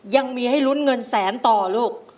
ยังมีให้ลุ้นเงินแสนต่อลูก